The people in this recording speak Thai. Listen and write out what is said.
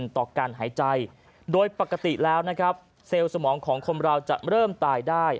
ต่อการหายใจโดยปกติแล้วนะครับเซลล์สมองของคนเราจะเริ่มตายได้